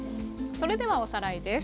それではおさらいです。